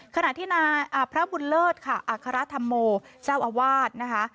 ขณะที่นายพระบุญเลิศค่ะอัครธรรมโมเจ้าอาวาสนะคะ